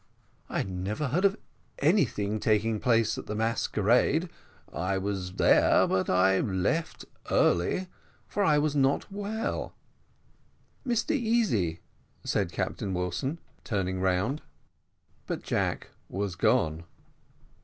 "I never heard of anything taking place at the masquerade I was there, but I left early, for I was not very well. Mr Easy," said Captain Wilson, turning round, but Jack was gone.